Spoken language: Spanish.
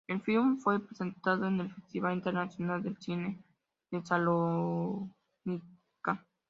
El film fue presentado en el Festival Internacional de Cine de Salónica.